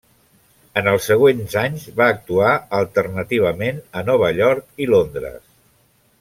En els següents anys va actuar alternativament a Nova York i Londres.